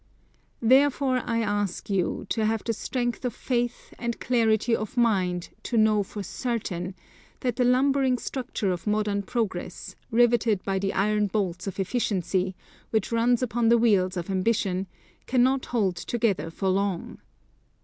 Therefore I ask you to have the strength of faith and clarity of mind to know for certain, that the lumbering structure of modern progress, riveted by the iron bolts of efficiency, which runs upon the wheels of ambition, cannot hold together for long.